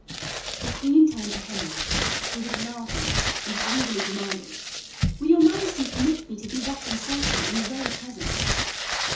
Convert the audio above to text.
The queen turned to Henry, who was laughing, and angrily demanded: "Will your majesty permit me to be thus insulted in your very presence?"